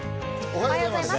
おはようございます。